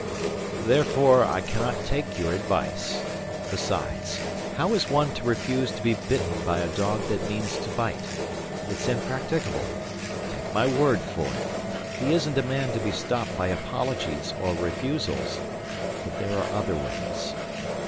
"Therefore, I cannot take your advice. Besides, how is one to refuse to be bitten by a dog that means to bite? It's impracticable. Take my word for it. He isn't a man to be stopped by apologies or refusals. But there are other ways.